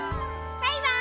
バイバーイ！